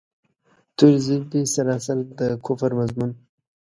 توري زلفې سراسر د کفر مضمون.